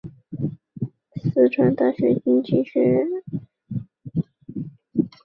毕业于四川大学经济学院。